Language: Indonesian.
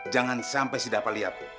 jangan sampai si dava lihat